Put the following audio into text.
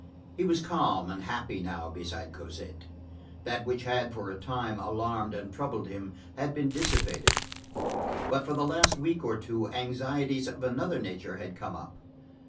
He was calm and happy now beside Cosette; that which had, for a time, alarmed and troubled him had been dissipated; but for the last week or two, anxieties of another nature had come up.